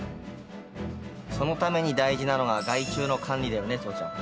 そのために大事なのが害虫の管理だよね父ちゃん。